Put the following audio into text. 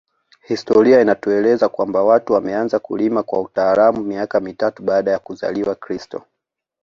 Historia inatueleza kwamba watu wameanza kulima kwa utaalamu miaka mitatu baada ya kuzaliwa kristo